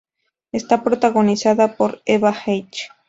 Esta protagonizada por Eva Hache.